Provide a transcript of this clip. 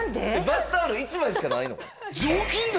バスタオル１枚しかないの？